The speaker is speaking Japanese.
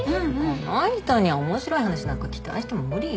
この人に面白い話なんか期待しても無理よ。